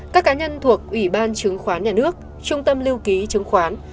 các cá nhân thuộc ủy ban trường khoán nhà nước trung tâm lưu ký trường khoán